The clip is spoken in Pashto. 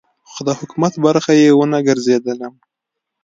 خو د حکومت برخه یې ونه ګرځېدلم.